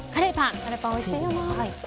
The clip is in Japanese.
カレーパン、おいしいよな。